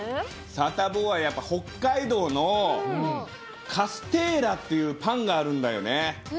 サタボーはやっぱ北海道のカステーラっていうパンがあるんだよね。